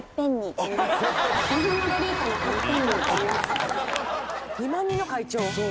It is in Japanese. そう２万人の会長。